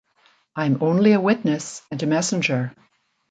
I'm only a witness and a messenger.